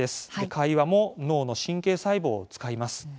会話も脳の神経細胞を使います。